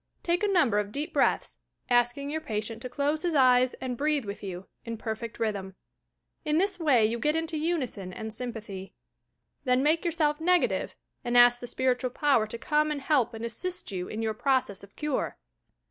Take a number of deep breaths, asking your patient to close his eyes and breathe with you, in perfect rhythm. In this way you get into unison and sympathy. Then make yourself negative, and ask the Spirtual Power to come and help and assist you in your process of cure.